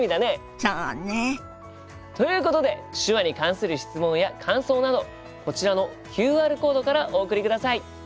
そうね。ということで手話に関する質問や感想などこちらのＱＲコードからお送りください。